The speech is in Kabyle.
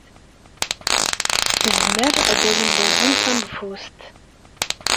Tezmer ad awent-d-tazen taneḍfust?